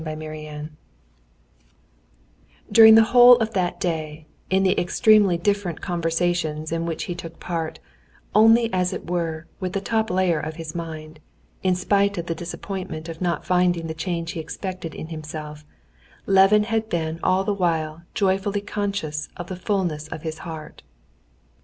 Chapter 18 During the whole of that day, in the extremely different conversations in which he took part, only as it were with the top layer of his mind, in spite of the disappointment of not finding the change he expected in himself, Levin had been all the while joyfully conscious of the fulness of his heart.